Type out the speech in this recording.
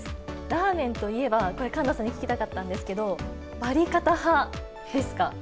ラーメンといえば、これ、環奈さんに聞きたかったんですけど、バリカタ派ですか？